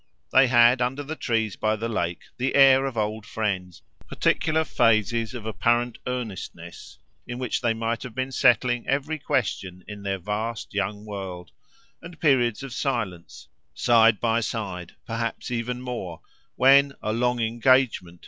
They had under the trees by the lake the air of old friends particular phases of apparent earnestness in which they might have been settling every question in their vast young world; and periods of silence, side by side, perhaps even more, when "A long engagement!"